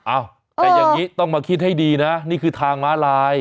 อ้าวแต่อย่างนี้ต้องมาคิดให้ดีนะนี่คือทางม้าลาย